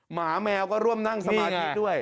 หมาแมวก็ร่วมนั่งสมาธิด้วย